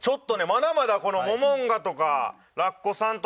まだまだこのモモンガとかラッコさんとかね。